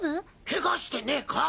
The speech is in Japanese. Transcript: ケガしてねか？